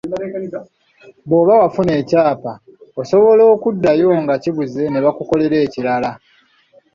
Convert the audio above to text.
Bw’oba wafuna ekyapa, osobola okuddayo nga kibuze ne bakukolera ekirala.